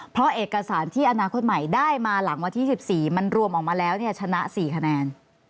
เพราะเอกสารที่อนาคตใหม่ได้มาหลังวันที่๑๔มันรวมออกมาแล้วชนะ๔คะแนน